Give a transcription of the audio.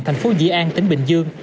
thành phố dĩ an tỉnh bình dương